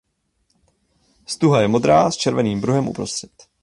Stuha je modrá s červeným pruhem uprostřed.